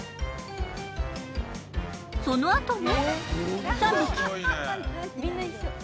そのあとも。